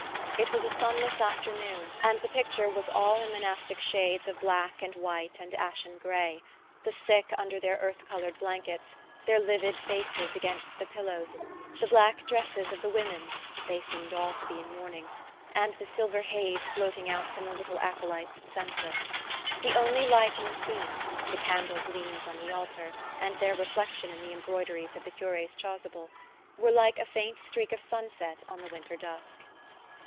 It was a sunless afternoon, and the picture was all in monastic shades of black and white and ashen grey: the sick under their earth coloured blankets, their livid faces against the pillows, the black dresses of the women (they seemed all to be in mourning) and the silver haze floating out from the little acolyte's censer. The only light in the scene the candle gleams on the altar, and their reflection in the embroideries of the cure's chasuble were like a faint streak of sunset on the winter dusk.